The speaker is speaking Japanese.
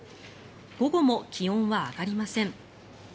午後も気温は上がりません。